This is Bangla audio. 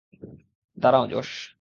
দাঁড়াও, জশ!